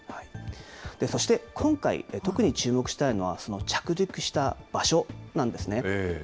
そして今回、特に注目したいのは、その着陸した場所なんですね。